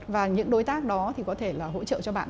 và những đối tác đó thì có thể là hỗ trợ cho bạn